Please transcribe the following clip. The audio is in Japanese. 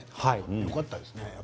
よかったですね。